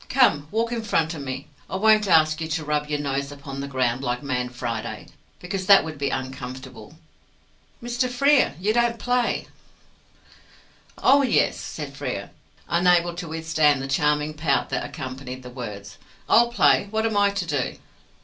Come, walk in front of me. I won't ask you to rub your nose upon the ground, like Man Friday, because that would be uncomfortable. Mr. Frere, you don't play?" "Oh, yes!" says Frere, unable to withstand the charming pout that accompanied the words. "I'll play. What am I to do?"